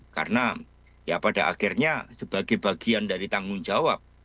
karena ya pada akhirnya sebagai bagian dari tanggung jawab